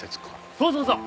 そうそうそう。